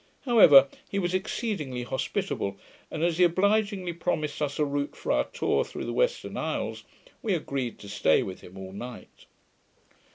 However, he was exceedingly hospitable; and, as he obligingly promised us a route for our tour through the Western Isles, we agreed to stay with him all night.